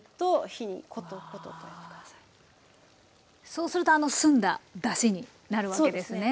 そうするとあの澄んだだしになるわけですね。